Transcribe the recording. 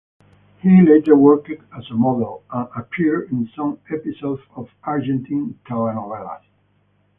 He later worked as a model and appeared in some episodes of Argentine telenovelas.